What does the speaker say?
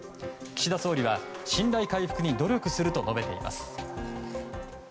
岸田総理は、信頼回復に努力すると述べています。